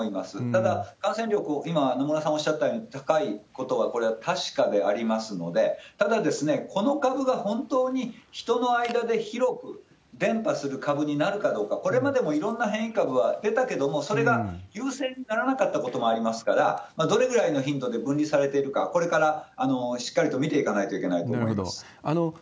ただ、感染力を、今、野村さんおっしゃったように、高いことはこれは確かでありますので、ただ、この株が本当に人の間で広く伝ぱする株になるかどうか、これまでもいろんな変異株は出たけれども、それが優勢にならなかったこともありますから、どれぐらいの頻度で分離されているか、これからしっかりと見ていかないといけないなるほど。